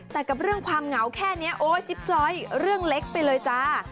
แต่กับเรื่องความเหงาแค่นี้โอ๊ยจิ๊บจ้อยเรื่องเล็กไปเลยจ้า